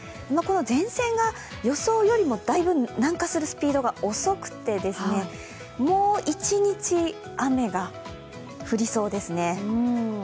前線が予想よりもだいぶ南下するスピードが遅くてもう一日、雨が降りそうですね。